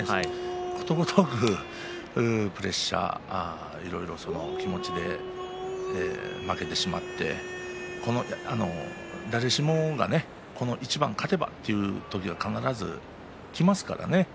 ことごとくプレッシャーや気持ちで負けてしまって誰しもがこの一番を勝てばという時が必ずきますからね